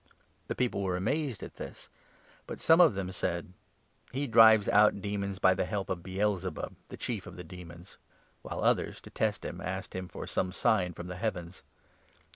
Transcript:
The people were amazed at this ; but some 15 of them said :'' He drives out demons by the help of Baal zebub, Jesus accused ^e cn'ef °^ the demons "; while others, to test 16 °^>f8Act?nee him, asked him for some sign from the heavens.